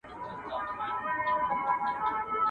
ما خو له خلوته لا پخوا توبه ایستلې وه ..